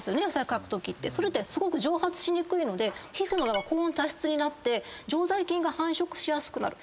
かくときってそれって蒸発しにくいので皮膚が高温多湿になって常在菌が繁殖しやすくなる。